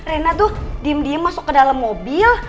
jadi rena tuh diem diem masuk ke dalam mobil